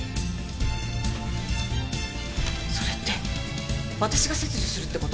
それって私が切除するって事？